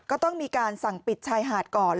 ก็ต้องมีการสั่งปิดชายหาดก่อน